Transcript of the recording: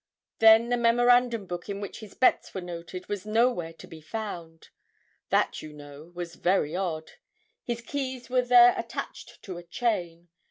Then the memorandum book in which his bets were noted was nowhere to be found. That, you know, was very odd. His keys were there attached to a chain.